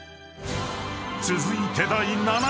［続いて第７位］